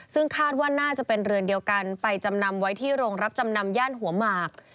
ซึ่งคาดว่าน่าจะเป็นเรือนเดียวกันไปจำนำไว้ที่โรงรับจำนำย่านหัวหมาก